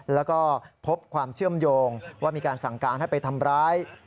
แล้วก็พบความเชื่อมโยงว่ามีการสั่งการให้ไปทำร้าย